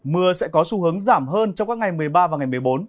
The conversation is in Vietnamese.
mưa sẽ có xu hướng giảm hơn trong các ngày một mươi ba và ngày một mươi bốn